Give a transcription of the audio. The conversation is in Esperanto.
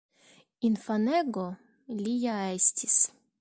Infanego li ja estis.